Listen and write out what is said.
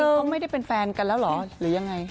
เขาไม่ได้เป็นแฟนกันแล้วเหรอหรือยังไง